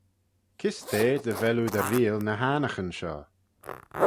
Kys t'eh dy vel oo dy 'reayll ny annaghyn shoh?